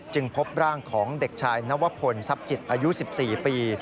พบร่างของเด็กชายนวพลทรัพย์จิตอายุ๑๔ปี